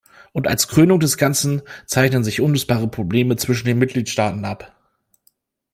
Und als Krönung des Ganzen zeichnen sich unlösbare Probleme zwischen den Mitgliedstaaten ab!